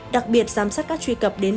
đặc biệt giám sát các truy cập đến